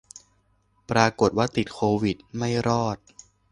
ปรากฏว่าติดโควิด ไม่รอด